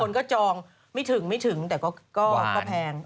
คนก็จองไม่ถึงแต่ก็แพง